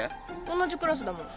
同じクラスだもん。